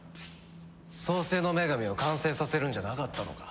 創世の女神を完成させるんじゃなかったのか？